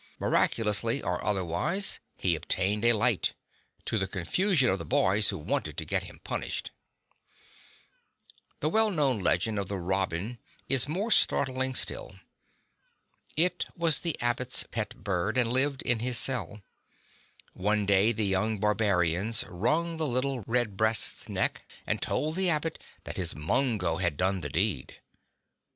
Miraculously, or otherwise, he obtained a light — to the confusion of the boys who wanted tO' get him punished. The well known legend of the robin is more startling still. It was the Abbot's pet bird, and lived in his cell. One day the young barbarians wrung the little redbreast's neck and told the Abbot that his Mungho had done the deed.